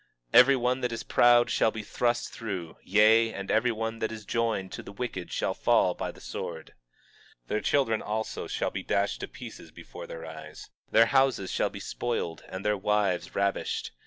23:15 Every one that is proud shall be thrust through; yea, and every one that is joined to the wicked shall fall by the sword. 23:16 Their children, also shall be dashed to pieces before their eyes; their houses shall be spoiled and their wives ravished.